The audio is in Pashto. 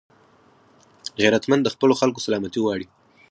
غیرتمند د خپلو خلکو سلامتي غواړي